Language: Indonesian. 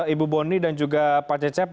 ibu boni dan juga pak cecep